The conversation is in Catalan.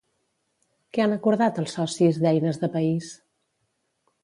Què han acordat els socis d'Eines de País?